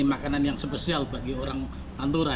makanan yang spesial bagi orang pantura